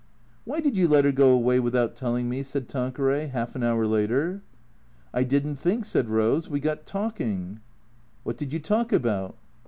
" Wliy did you let her go away without telling me?" said Tanqueray, half an hour later. " I did n't think," said Rose. " We got talking." " What did you talk about?